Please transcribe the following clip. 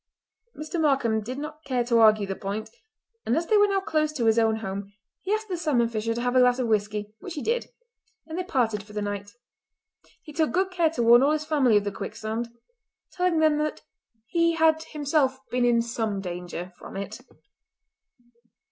Mr. Markam did not care to argue the point, and as they were now close to his own home he asked the salmon fisher to have a glass of whisky—which he did—and they parted for the night. He took good care to warn all his family of the quicksand, telling them that he had himself been in some danger from it.